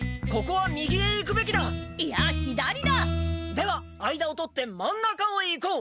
ではあいだを取って真ん中を行こう。